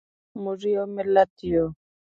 موږ یو ملت یو.